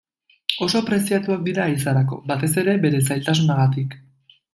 Oso preziatuak dira ehizarako, batez ere bere zailtasunagatik.